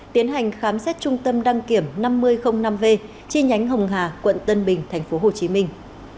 tiến hành khám xét trung tâm đăng kiểm năm nghìn năm v chi nhánh hồng hà quận tân bình thành phố hồ chí minh